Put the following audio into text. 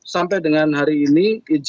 sampai dengan hari ini